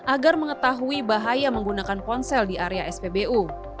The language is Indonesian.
agar mengetahui bahaya menggunakan ponsel di area spbu